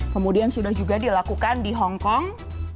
kemudian sudah juga dilakukan di hongkong